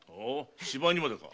芝居にまでか。